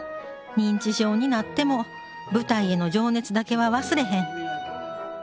認知症になっても舞台への情熱だけは忘れへん。